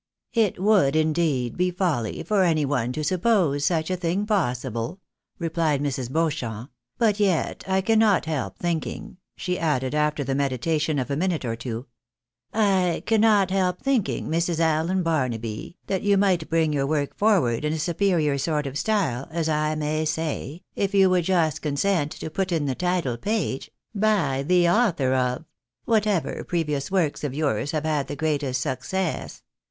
" It would, indeed, be folly for any one to suppose such a thing possible," replied Mrs. Beauchamp, "but yet, I cannot help thinking," she added, after the meditation of a minute or two, " I cannot help thinking, Mrs. Allen Barnaby, that you might bring your work forward in a superior sort of style, as I may say, if you would just consent to put in the title page, ' by the author of,' — whatever previous works of yours have had the greatest success.